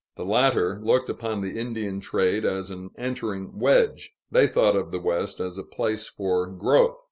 The latter looked upon the Indian trade as an entering wedge; they thought of the West as a place for growth.